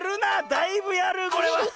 だいぶやるこれは。